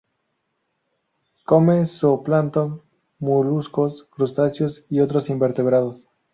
Come zooplancton, moluscos, crustáceos y otros invertebrados.